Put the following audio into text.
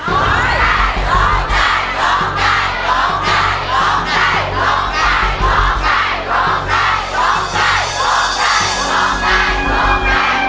โคกกิ้งโคกกิ้งโคกกิ้งโคกกิ้ง